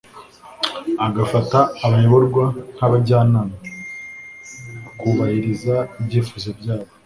agafata abayoborwa nk'abajyanama, akubahiriza ibyifuzo byabo